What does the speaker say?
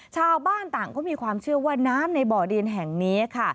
ชาวบ้านต่างก็มีความเชื่อว่าน้ำในบ่อดินแห่งนี้ค่ะ